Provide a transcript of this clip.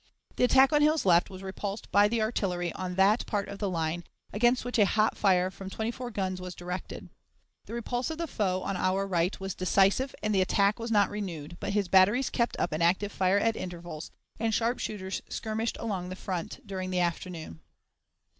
The attack on Hill's left was repulsed by the artillery on that part of the line, against which a hot fire from twenty four guns was directed. The repulse of the foe on our right was decisive and the attack was not renewed, but his batteries kept up an active fire at intervals, and sharpshooters skirmished along the front during the afternoon.